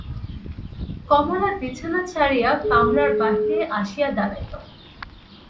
কমলা বিছানা ছাড়িয়া কামরার বাহিরে আসিয়া দাঁড়াইল।